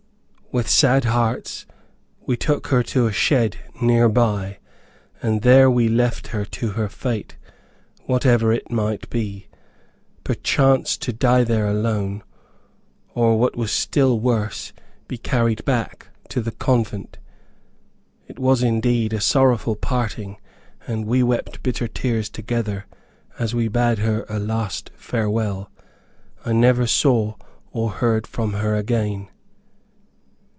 With sad hearts we took her to a shed near by, and there we left her to her fate, whatever it might be; perchance to die there alone, or what was still worse, be carried back to the convent. It was indeed, a sorrowful parting, and we wept bitter tears together, as we bade her a last farewell. I never saw or heard from her again.